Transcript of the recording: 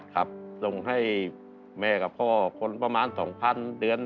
ครับส่งให้แม่กับพ่อคนประมาณ๒๐๐เดือน